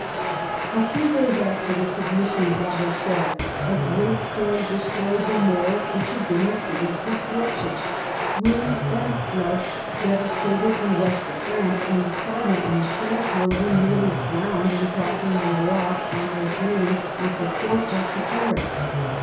A FEW days after the submission of "^a Rochelle a great storm destroyed the mole which had been the city's destruction. Winds and floods devastated the west of France, and the Cardinal and the Chancellor were nearly drowned in crossing the Loire on their journey with the Court back to Paris.